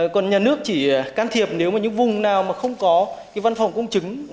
còn nhà nước chỉ can thiệp nếu mà những vùng nào mà không có cái văn phòng công chứng